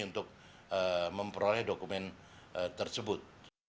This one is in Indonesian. untuk memperoleh dokumen tersebut